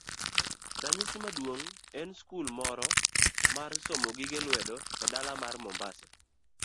Ranyisi maduong' en mar skul moro mar somo gige lwedo e dala mar Mombasa.